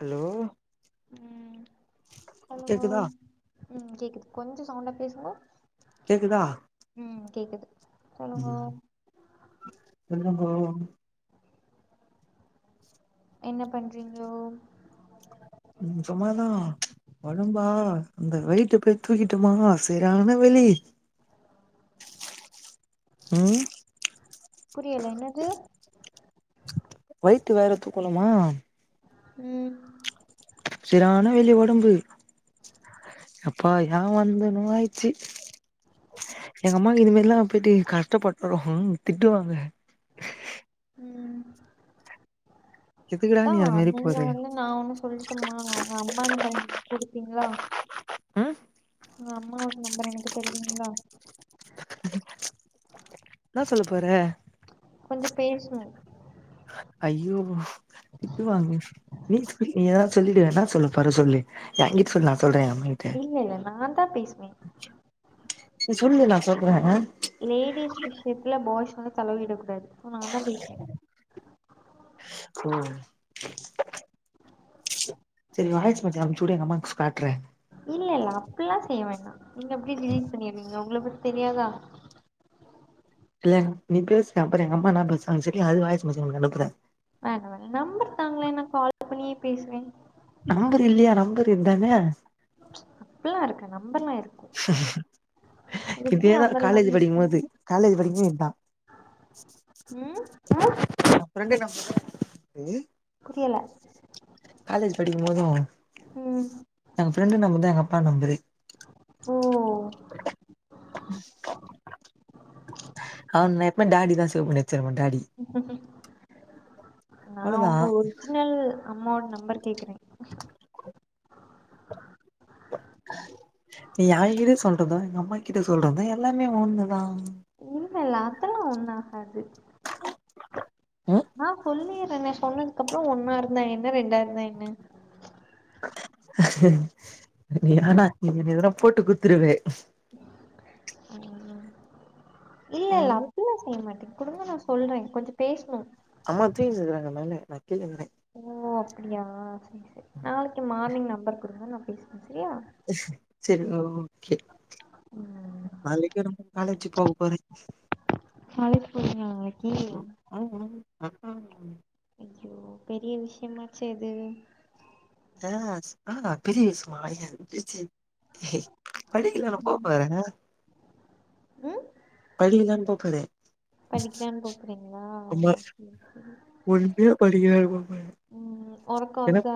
Hello ம் சொல்லுங்கோ கேக்குதா ம் கேக்குது கொஞ்ச சவுண்டா பேசுங்க கேக்குதா ம் கேக்குது சொல்லுங்கோ ம் என்ன ப்ரோ என்ன பண்றிங்கோ சும்மாதா வணும்பா இந்த வெயிட்ட போய் தூக்கிட்டமா செரியான வெலி ஆமா [unintelligible] ம் புரியலென்னது போய்ட்டு வாரத்துகுள்ளமா ம் செரியான வெளி ஒடம்பு எப்பா ஏ வந்தனு ஆயிச்சு எங்க அம்மாக்கு இதுமாரில்லா புட்டி கஷ்டப்படுத்துறுகோ திட்டுவாங்க ம் எதுக்குடா அதா நீ அது மாரி நீங்க போற வந்து நா ஒண்ணு சொல்ட்டுமா உங்க உங்க அம்மானு பயந்துட் குடுப்பீங்ளா ஆ உங்க அம்மாவோட நம்பர் எனக்கு தருவீங்களா இன்னா சொல்ல போற கொஞ்சொ பேஸ்ணு ஐய்யோ திட்டு வாங்கே நீ சொல் நீ எதுனா சொல்லிடுவ இன்னா சொல்லபோறா சொல்லு ஏங்கிட் சொல் நா சொல்ற எ அம்மாகிட்ட இல்லல்ல நாந்தா பேசுவே நீ சொல்லு நா சொல்ற லேடிஸ் விஷயத்துல பாய்ஸ் வந்து தலயிடக்கூடாது சோ நாந்தா பேசுவ ஓ செரி வாய்ஸ் மெசேஜ் அனுப்ச்சுடு எங்கம்மாக்ஸ் காட்ற இல்லல்ல அப்டில்லா செய்ய வேணா நீங்க அப்டே டெலிட் பண்ணிடுவிங்க உங்கள பத்தி தெரியாதா இல்ல நீ பேசு அப்பற எங்க அம்மா என்ன பேசுனாங்க சொல்லி அது வாய்ஸ் மெசேஜ் உனக்கு அனுப்புற வேணா வேணா நெம்பர் தாங்களே நா கால் பண்ணியே பேசுவே நம்பர் இல்லையா நம்பர் இருந்தானே அதல்லா இருக்கு நம்பர்லா ‍இருக்கு இதேதா நம்பர் காலேஜ் இல்லாம இருக்கும் படிக்கும்போது காலேஜ் படிக்கும்போது இதா ம் எ ஃப்ரண்டு என்ன சொன்னா [inaudible] புரியல காலேஜ் படிக்கும் போது ம் எங்க ஃப்ரெண்டு நம்பர்தா எங்கப்பா நெம்பரு ஓ அவ நா எப்பவுமே டாடிதா சேவ் பண்ணி வெச்சிருப்ப டேடி நா அவ்ளோதா உங்க ஒரிஜினல் அம்மாவோட நெம்பர் கேக்குறே நீ ஏங்கிட்ட சொல்றது எங்க அம்மா கிட்ட சொல்றது எல்லாமே ஒன்னுதா இல்லல்ல அதெல்லா ஒன்னு ஆகாது ம் நா சொல்லிர்றன்னே சொன்னது அதுக்கப்புற ஒன்னா இருந்தா என்ன ரெண்டா இருந்தா என்ன வேனா நீ எதனா போட்டு குத்துருவே இல்ல இல்ல ம் அப்பில்லா செய்ய மாட்டே குடுங்க நா சொல்றே கொஞ்ச பேசுணு அம்மா தூங்கினு இருக்கறாங்க மேலே நா கீழ இருந்தே ஓ அப்படியா செரி செரி நாளைக்கு மார்னிங் நெம்பர் குடுங்க நா பேசுறே சரியா ச்சரி ஓகே நாளைக்கு நம்மு காலேஜி போக போறே காலேஜ் போறீங்ளா நாளைக்கி அ அ அஆ அ ஐயோ பெரிய விஷ்யமாச்சே இது அஸ் ஆ பெரிய விசுமா எந்திச்சி படிக்க தான போ போறேங்க ம் படிக்க தான் போ போறே படிக்கலான்னு கூப்புறீங்களா ஆமா ஓகே பொறுமையா படிக்கிறாரு [unintelligible] ம் ஒறக்க வர்தா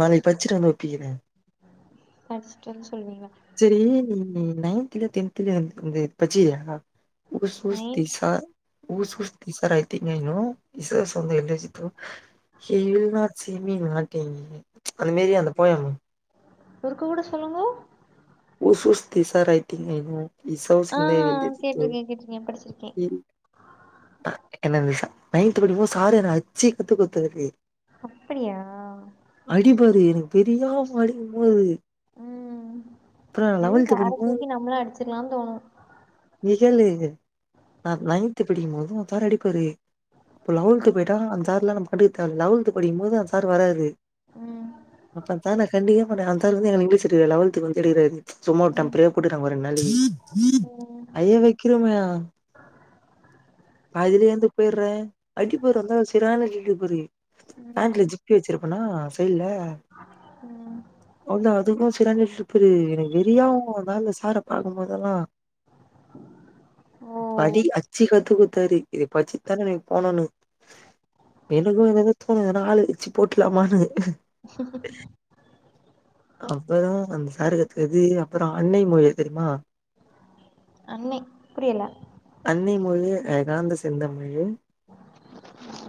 நாளைக்கு பச்சிட்டு வந்து ஒப்பிக்கிறே படிச்ட்டு வந்து சொல்விங்க செரி நீ நைன்த்லயோ டென்த்லயோ இருக்கும் போது பச்சியா உஸ் உஸ் நைன் திஸ்ஸா whose ஊஸ் these are I think I know Ijaz வந்து எல்லை Sidho he will not say me not anyway அந்த மாரி அந்த போயம் ஒருக்கா கூட சொல்லுங்க whose ஊஸ் these are I think I know இச ஆ ஊசந்த வெல்தி தித்து கேட்டிருக்கேன் கேட்டிருக்கேன் படிச்சிருக்கேன் ஈல் ஆ என்னது சா நைன்த் படிக்கும்போது சார் என்ன அச்சே கத்து குத்தாரு அப்படியா அடிப்பாரு எனக் வெரியாவு அடிக்கும்மோது அ ஏ சேர படிக்கும்போது தூக்கி நம்ளு அடிச்சிர்லான் தோணு நிகளு நா நைன்த்து படிக்கும்போது அப்பாரு அடிப்பாரு அப் லவல்த்து போய்ட்டா அந் சார்லா நம்பு கண்டுக்க தேவல்ல லவல்த்து படிக்கும்போது அந் சார் வராரு ம் அப்பத்தா நா கண்டுக்கவே மாட்ட அந் சார் வந்து எனக் இங்லீஸ் இட்டியே லவல்த்துக்கு வந்து எடுக்குறாரு சும்மா ம் டெம்ப்ரயா போட்டுராங் ஒ ரெண்ட் நாள் லீவு ம் அய்ய வெக்கிறோமே ஆ பாதிலேய்ந்து போய்றே அடிப்பாரு வந்தா செரான இடுப்பரு ம் ஹான்ட்ல ஜிப் ப்பி வெச்சிர்ப்பனா சைல ம் அதா அதுக்கு செறண்ட ஸ்ருப்புரு எனக் வெறியாவு அதாந்த சார பாக்கும்போதெல்லா ஓ படி அச்சி கத்து குத் தரி இத பச்சித்தானே எனக் போனுனு எனக்கு எதெதோ தோணு ஏனா ஆளு அச்சி போட்லாமான்னு அப்புது அந்த சாரு கத் எது அப்பறோ அன்னை முயல் தெரிமா அன்னை புரியல அன்னை மொழியே அகாந்த செந்தமிழுல் ம்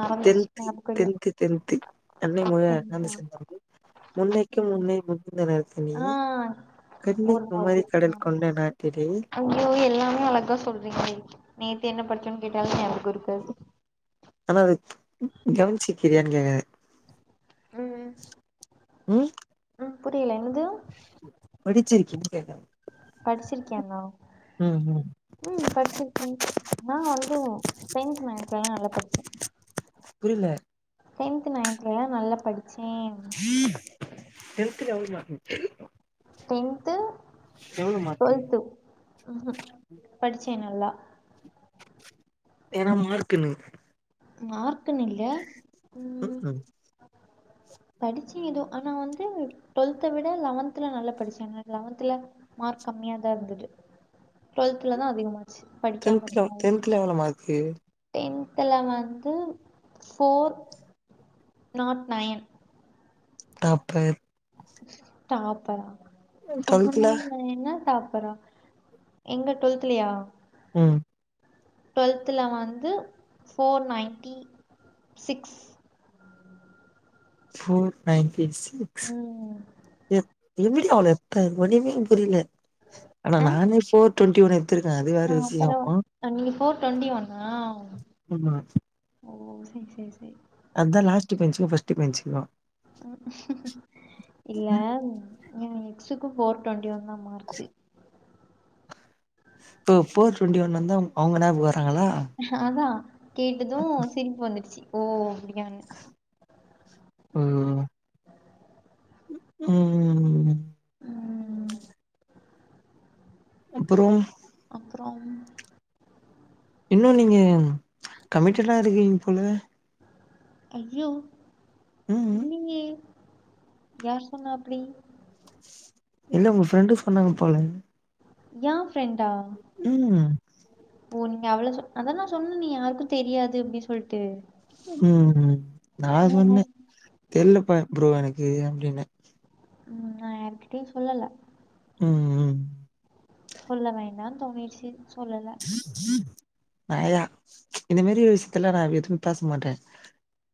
மறந்துருச்சு தென்த்தி ஞாபகம் இல்ல தென்த்தி தென்த்தி அன்னை முய நான்து சரிங்களா செந்தமிழ் முன்னைக்கி ம் முன்னே முத்துன நர்த்தினி ஆ கண்ணி குமரி கடல் கொண்டனன் திடேய்ல் அங்யோ எல்லாமே அழகா சொல்றீங்களே நேத் என்ன படிச்சோன் கேட்டாலே ந்யாபகோ இருக்கு அதா அது கவனிச்சுக்கிறியான் கேக்க ம் அ புரியல என்னது படிச்சிருக்கின் படிச்சிருக்கியான்னா ம் ம் ம் படிச்சிருக்கி நா வந்தூ டென்த் நைன்த்லல்லா நல்லா படிச்ச புரில டென்த் நைன்த்தல்லா நல்லா படிச்சேன் டென்த்ல எவ்ளோ மார்க்கு டென்த்து மார்க்கு டுவெல்த்து ம்ஹும் படிச்சே நல்லா என்ன மார்க் என்னாங் மார்க்குனுல்ல ம் ம்ஹூம் படிச்சே எதோ ஆனா வந்து டுவெல்த விட லெவன்த்ல நல்லா படிச்சேங்க லெவன்தல மார்க் கம்மியாதா இருந்தது டுவெல்த்லதா அதிக மார்க் டென்த்லோ டென்த்ல எவ்ளோ மார்க்கு டென்த்துல வந்து ஃபோர் நாட் நையன் டாப்பர் டாப்பரா டுவெல்த்ல அப்பன்னா நா என்ன டாப்பரா எங்க டுவல்த்துலயா ம் டுவல்த்துல வந்து four ninety six four ninety six ம் எத் எப்பிடி அவ்ளோ எத்த ஒண்ணுமே என் புரில ஆனா ஆ நானே ஃபோர் டொண்ட்டி ஒனு ஆ பரவா ப நி ஃபோர் டொண்டி வண்ணாவ் ஆமா ஓ செ செ செய் அத்தா லாஸ்ட் பெஞ்க்கு ஃபஸ்ட் பெஞ்க்கு இல்ல ஏ எக்ஸுக்கு ஃபோர் டுவெண்டி ஒன்தா மார்க்கு இப்போ ஃபோர் டு்வெண்டி ஒன் வந்தா அவங்கத்தா வராங்களா அதா கேட்டது சிரிப்பு வந்துருச்சு ஓ அப்டியானு ம் ம் ம் அப்புறோ அப்றோ என்னங்க நீங்க கமிட்டடா இருக்கீங்க போல ஐயோ ம் இல்லிங்க யார் சொன்னா அப்டி இல்ல உங்க ஃப்ரெண்டு சொன்னாங்க போல ஏ ஃப்ரெண்டா ம் ஓ நீங்க அவ்ள சொ அதெல்லா சொன்ன நீ யாருக்கு தெரியாது அப்டின் சொல்ட்டு ம்ம் நான் நா சொன்னே யார் தெர்லப்ப ப்ரோ எனக்கு அப்டின்னே ம் நா யார்க்கிட்டயு சொல்லல ம்ம் சொல்ல வேண்டானு தோணிர்ச்சி சொல்லல [unintelligible] இந்த மேரி ஒரு விஷயத்துல நா எதும் பேச மாட்டே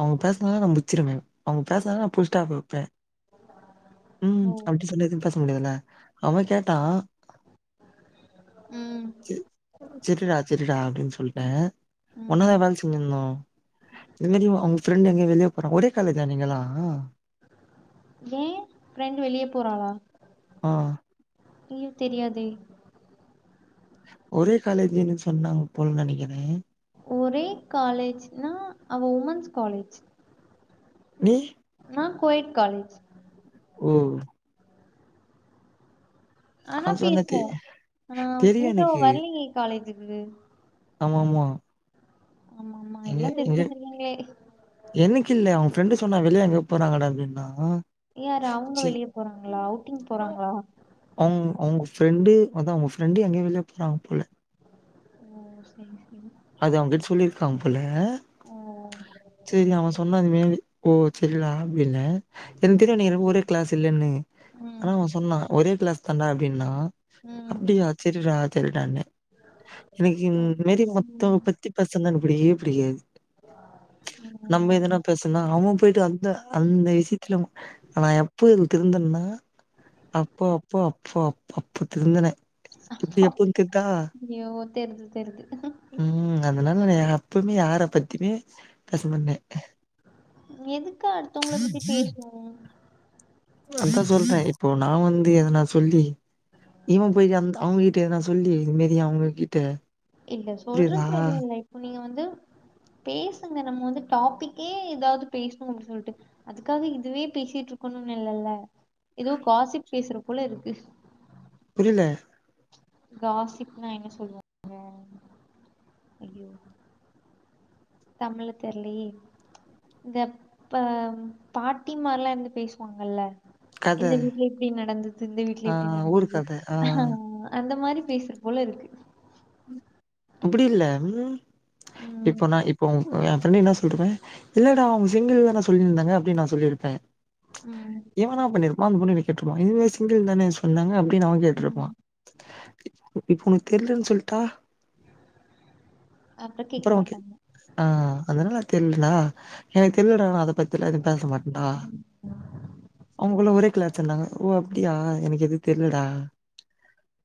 அவங்க பேசலனா நா முச்சுருவே அவங்க பேசனால நான் புல் ஸ்டாப் வப்பே ம் ஓ அப்படி சொல்லதுன்னு பேச முடியதுல்ல அவே கேட்டா ம் செ செரிடா செரிடா அப்டின்னு சொல்ட்டே ஒன்னாதா ம் வேல செஞ்சிருந்தோ இது மேரி அவங்க ஃப்ரெண்ட் எங்க வெளிய போறா ஒரே காலேஜ்ஜா நீங்களா ஏ ஃபிரெண்ட்டு வெளியே போறாளா ஆ [unintelligible] தெரியாதே ஒரே காலேஜ்ன்னு சொன்னாங்க போலு நெனைக்கிறே ஒரே காலேஜ்னா அவ உமன்ஸ் காலேஜ் நீ ஆ கோயேட் காலேஜ் ஓ ஆனா நா சொன்னே தெ பேசுவோ ஆனா தெரியு இன்னிக்கி அவ எனக்கு வரலையே காலேஜுக்கு ஆமா ஆமா ஆமா ஆமா எங்க எல்லா எங்க தெரிஞ்சு செய்வீங்களே எனக்கு இல்ல அவ ஃப்ரெண்டு் சொன்னா வெளியே அங்க போறாங்கடா அப்டின்னா யாரு அவங்க வெளியே போறாங்களா அவுட்டிங் போறாங்களா அவங்க உங்க ஃப்ரெண்டு அதா உங்க ஃப்ரெண்டு எங்கயோ வெளிய போறாங்க போல ஓ சேரி சேரி அத அவங்ட்ட சொல்லிருக்காங்க போல ஓ செரி அவன் சொன்ன அது மேரி ஓ சரிலா ஆப்பில்ல என் ம் தெரியு நீங்க ரெண்டு பேரும் ஒரே கிளாஸ் இல்லன்னு ஆனா ம் அவன் சொன்னா ஒரே கிளாஸ் தாண்டா அப்டின்னா ம் அப்டியா சேரிடா சேரிடாண்ணே எனக்கு ஓ இந்த மேரி மொத்த ம் பத்தி பசங்கப் புடிக்கவே புடிக்காது ம் நம்ம எதன பேசனா அவன் போயிட்டு வந்து அந்த விஷயத்துல ஆவே எப்பவ் இப் திருந்தன்னா அப்போ அப்போ அப்போ அப்ப அப்போ திருந்துனே இப்டி எப்போ தெரித்தா [unintelligible] ம் அதனால எப்பமே யார பத்தியுமே பேசமாட்டே எதுக்கு அடுத்தவங்கள பத்தி பேசணு அதா சொல்றே இப்போ நா வந்து எதனா சொல்லி இவ போயிட்டு அந்த அவங்கிட்ட எதனா சொல்லி இது மாரி அவங்ககிட்ட இல்ல புரியுதா சொல்றது எது இல்ல இப்போ நீங்க வந்து பேசுங்க நம்ம வந்து டாபிக்கே ஏதாது பேசணுன்னு சொல்ட்டு அதுக்காக இதுவே பேசிட்டு இருக்கணுனு இல்லல்ல ஏதோ காசிப் பேசுற போல இருக்கு புரில காசிப்னா என்ன சொல்லுவோ ஐய்யோ தமிழ்ல தெர்லயே இந்த பாட்டிமார்ல்லா இருந்து பேசுவாங்கல்ல கத இந்த வீட்ல இப்டி நடந்தது இந்த வீட்ல ஆ இப்டி ஊரு நடந்தது கத ஆ ஆமா அந்த மாரி பேசற போல இருக்கு அப்டி இல்ல ம் இப்போ ம் நா இப்போ ஏ ஃப்ரெண்டு என்ன சொல்லிட்டு இருப்பே இல்லடா அவங்க சிங்கிள் தான சொல்லியிருந்தாங்க அப்டின்னு நா சொல்லி இருப்பே ம் இவ என்னா பண்ணிருப்பா அந்த பொண்ணு கிட்ட கேட்டுருப்பா இல்லயே சிங்கிள் தானே என்னங்க அப்டினு அவ கேட்டிருப்பா ம் இப்ப உனக்கு தெரிலன்னு சொல்ட் டா கேக்க அப்றோ ஓகே மாட்டாங்க ஆ அது என்ன தெர்லடா எனக்கு தெர்லடா நா அத பத்தி எல்லா எது பேச மாட்டேன்டா அவங்கள்ள ஒரே கிளா சொன்னாங்க ஓ அப்டியா எனக்கு எது தெர்லடா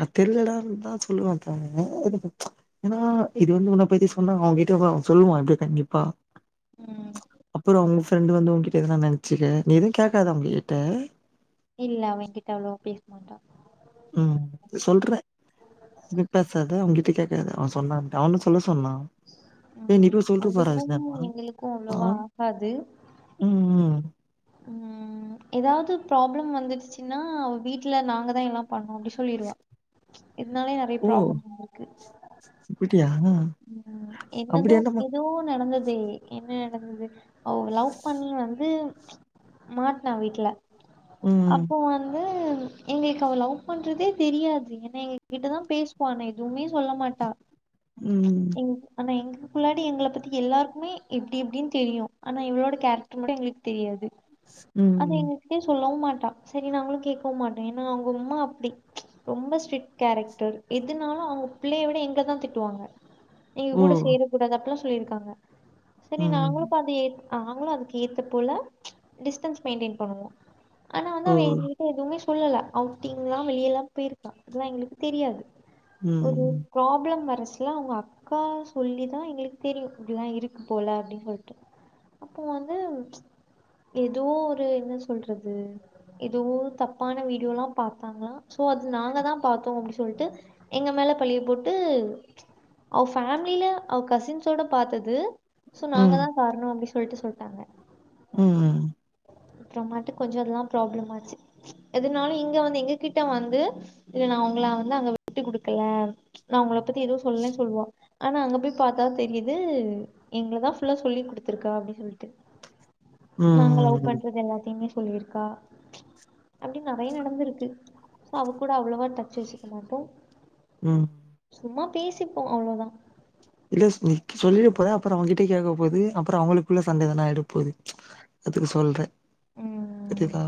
அது தெர்லடா தா சொல்லுவே அப்போவு ஏன்னா இது வந்து உன்ன பத்தி சொன்னா அவங்ககிட்ட சொல்லுவா இத கண்டிப்பா ம் அப்பரோ உ ஃப்ரெண்டு வந்து உன்கிட்ட எதன நெனச்சுக்க நீ எது கேக்காத அவுங்க கிட்ட இல்ல அவ எ கிட்ட அவ்ளோவா பேச மாட்டா ம் சொல்றே எது பேசாத அவெ கிட்ட கேக்காத அவ சொன்னான்ட்டு அவனு சொல்ல சொன்னா ஏ நீ ம் போய் சொல்ற பாறே அவளுக்கும் [unintelligible] எங்களுக்கு அவ்ளோவா ஆம் ஆகாது ம் ம் ம் ஏதாது ப்ராப்ளம் வந்துடுச்சுன்னா வீட்ல நாங்கதா எல்லாம் பண்ணோ அப்டி சொல்லிடுவா என்னாலே நெறைய ப்ராப்ளம் அவளுக்கு சிப்பிட்டி ஆனா [inaudible] என்னதோ ஏதோ நடந்ததே என்ன நடந்தது அவ லவ் பண்ணி வந்து மாட்னா வீட்ல ம் அப்ப வந்து எங்களுக்கு அவ லவ் பண்றதே தெரியாது ஏன்னா எங்க கிட்டதா பேசுவா ஆனா எதுமே சொல்ல மாட்டா ம் ஆனா எங்களுக்குள்ளாடி எங்கள பத்தி எல்லாருக்குமே இப்டி இப்டினு தெரியு ஆனா இவளோட கேரக் [unintelligible] முன்னடி எங்களுக்கு தெரியாது அவ ம் எங்க கிட்ட சொல்லவு மாட்டா சரி நாங்களு கேக்கவு மாட்டே ஏன்னா அவுங்க உம்மா அப்டி ரொம்ப ஸ்ட்ரிட் கேரக்டர் எதுனாலு அவுங்க பிள்ளைய விட எங்கள தா திட்டுவாங்க எங்க கூட ஓ! சேர கூடாது அப்டில்லா சொல்லியிருக்காங்க சரி நாங்களு ம். இப்ப அத ஏத் நாங்களு அதுக்கு ஏத்த போல டிஸ்டன்ஸ் மெயின்டெயின் பண்ணுவோ ஆனா வந்து ஓ! அவ எங் [unintelligible] கிட்ட எதுமே சொல்லல அவுட்டிங்ல்லா வெளியல்லா போயிருக்கா அதெல்லா எங்ளுக்கு தெரியாது ஒரு ம். ப்ராப்ளம் வர ஸ் லா அவுங்க அக்கா சொல்லிதா எங்ளுக்கு தெரியு இப்டில்லா இருக்கு போல அப்டி சொல்ட்டு அப்போ வந்து ஏதோ ஒரு என்ன சொல்றது ஏதோ தப்பான வீடியோலா பாத்தானா சோ அது நாங்க தா பாத்தோ அப்டி சொல்ட்டு எங்க மேல பழிய போட்டு அவ ஃபேமிலில அவ கசின்ஸ்ஸோட பாத்தது சோ ம். நாங்கதா கார்ணோ அப்டி சொல்ட்டு சொல்ட்டாங்க ம் அப்புறமாட்டு கொஞ்சொ அதெல்லா ப்ராப்ளம் ஆச்சு எதுனாலு இங்க வந்து எங்க கிட்ட வந்து இல்ல நா உங்கள வந்து அங்க விட்டு குடுக்கல நா உங்கள பத்தி எதுவு சொல்லலேன்னு சொல்லுவா ஆனா அங்க போய் பாத்தா தெரியுது எங்களதா ஃபுல்லா சொல்லி் குடுத்துருக்கா அப்டி சொல்ட்டு நாங்க லவ் ம். பண்றது எல்லாத்தையுமே சொல்லியிருக்கா அப்டி நெறைய நடந்திருக்கு சோ அவ கூட அவ்ளோவா டச் வச்சுக்க மாட்டோ ம் சும்மா பேசிப்போ அவ்ளோதா இல்ல சொல்லிட போற அப்ரோ அவங்கிட்டே கேக்க போகுது அப்ரோ அவங்களுக்குள்ள சண்ட எதனா ஆய்ட போது அதுக்கு சொல்றே ம் புரியதா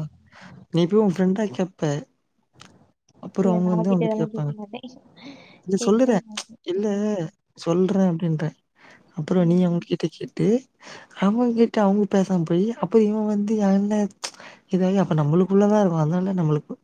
நீ போய் ஒ ஃப்ரெண்டா கேப்ப அப்பரோ இல்ல அவ்ங்க நா வந்து அவகிட்ட அவ்ங்கட்ட இதெல்லா கேக்க கேப்பாங்க மாட்டே இல கேக்கவே சொல்லிறே மாட்டே இல்ல ம் சொல்றே அப்டின்றெ அப்புரோ நீ ம் அவங்கிட்ட கேட்டு அவங்கிட்ட அவ்ங்க பேசாம போயி அப்ப இவெ வந்து என்னெ இது வந்து அப்ப நம்மளுக்குள்ளதா இருக்கு அதானா நம்ளுக்கு